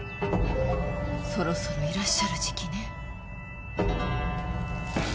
そろそろいらっしゃる時季ね。